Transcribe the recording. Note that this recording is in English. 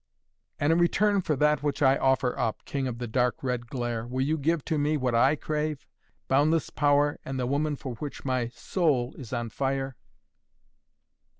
"And in return for that which I offer up King of the dark red glare will you give to me what I crave boundless power and the woman for which my soul is on fire?"